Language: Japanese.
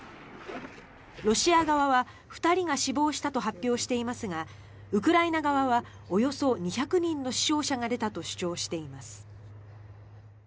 ロシア側は２人が死亡したと発表していますがウクライナ側はおよそ２００人の死傷者が出たと主張しています。